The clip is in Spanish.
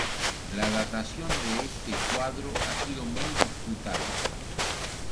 La datación de este cuadro ha sido muy disputada.